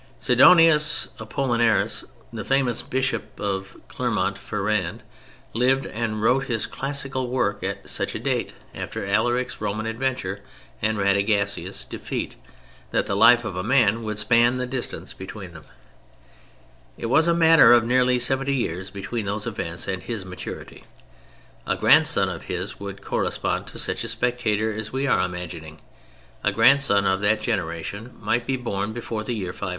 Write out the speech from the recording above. Sidonius Apollinaris, the famous Bishop of Clermont Ferrand, lived and wrote his classical work at such a date after Alaric's Roman adventure and Radagasius' defeat that the life of a man would span the distance between them; it was a matter of nearly seventy years between those events and his maturity. A grandson of his would correspond to such a spectator as we are imagining; a grandson of that generation might be born before the year 500.